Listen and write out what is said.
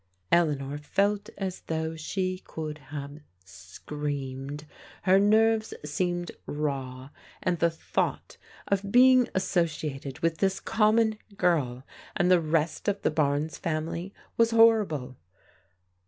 Eleanor felt as though she could have screamed. Her nerves seemed raw, and the thought of being associated with this common girl, and the rest of the Barnes family, was horrible.